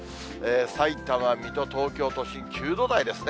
さいたま、水戸、東京都心９度台ですね。